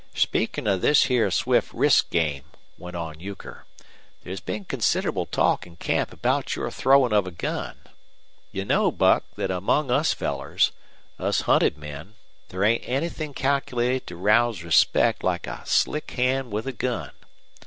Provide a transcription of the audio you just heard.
"Speakin' of this here swift wrist game," went on Euchre, "there's been considerable talk in camp about your throwin' of a gun. You know, Buck, thet among us fellers us hunted men there ain't anythin' calculated to rouse respect like a slick hand with a gun.